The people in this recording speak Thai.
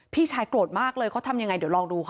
พี่ชายโกรธมากเลยเขาทำยังไงเดี๋ยวลองดูค่ะ